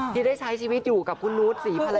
ที่ได้ใช้ชีวิตอยู่กับคุณนุษย์ศรีภรรยา